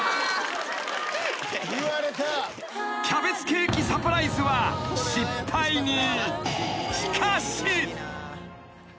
［キャベツケーキサプライズは失敗に］